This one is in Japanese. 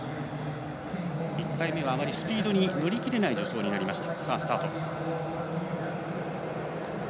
１回目はあまりスピードに乗り切れない助走となりました。